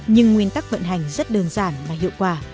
nhưng nguyên tắc vận hành rất đơn giản và hiệu quả